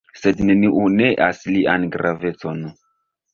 Sed neniu neas lian gravecon.